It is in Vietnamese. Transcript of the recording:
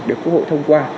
và các quốc hội thông qua